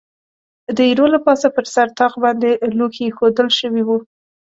د ایرو له پاسه پر سر طاق باندې لوښي اېښوول شوي و.